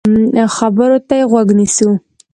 خبرو ته يې غوږ نیسو.